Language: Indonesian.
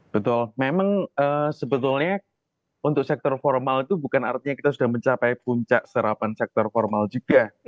betul memang sebetulnya untuk sektor formal itu bukan artinya kita sudah mencapai puncak serapan sektor formal juga